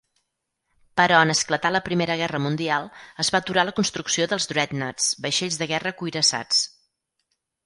Però en esclatar la Primera Guerra Mundial, es va aturar la construcció de "dreadnoughts", vaixells de guerra cuirassats.